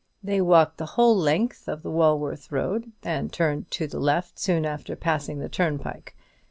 They walked the whole length of the Walworth Road, and turned to the left soon after passing the turn pike.